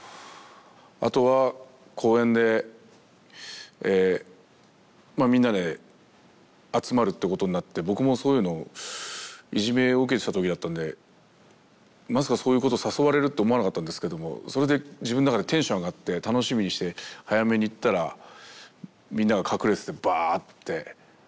あとは公園でみんなで集まるってことになって僕もそういうのいじめを受けてたときだったんでまさかそういうこと誘われるって思わなかったんですけどもそれで自分の中でテンション上がって楽しみにして早めに行ったらみんなが隠れててバーッて。